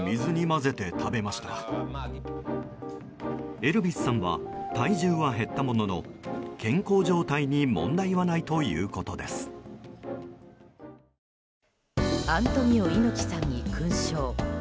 エルビスさんは体重は減ったものの健康状態に問題はないということです。